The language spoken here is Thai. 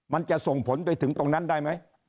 มันจะส่งผลไปถึงตรงนั้นได้ไหม